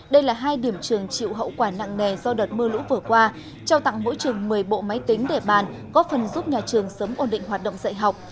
đây là hai điểm trường chịu hậu quả nặng nề do đợt mưa lũ vừa qua trao tặng mỗi trường một mươi bộ máy tính để bàn góp phần giúp nhà trường sớm ổn định hoạt động dạy học